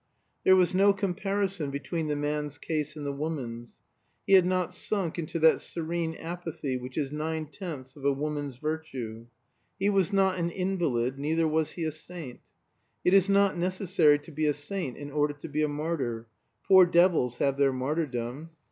There was no comparison between the man's case and the woman's. He had not sunk into that serene apathy which is nine tenths of a woman's virtue. He was not an invalid neither was he a saint. It is not necessary to be a saint in order to be a martyr; poor devils have their martyrdom.